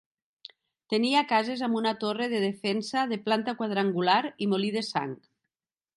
Tenia cases amb una torre de defensa de planta quadrangular i molí de sang.